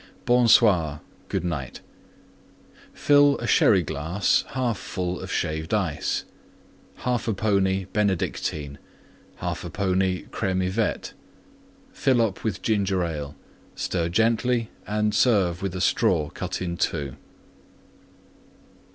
BON SOIR ("Good Night") Fill a Sherry glass 1/2 full of Shaved Ice. 1/2 pony Benedictine. 1/2 pony Creme Yvette. Fill up with Ginger Ale; stir gently and serve with a Straw cut in two.